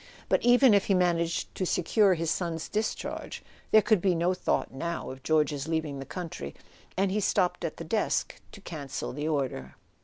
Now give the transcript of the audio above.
But even if he managed to secure his son's discharge, there could be no thought, now, of George's leaving the country; and he stopped at the desk to cancel the order.